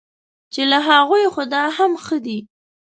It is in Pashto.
چې له هغوی خو دا هم ښه دی.